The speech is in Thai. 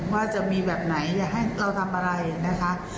ว่าจะมีแบบไหนอยากให้เราทำอะไรนะคะ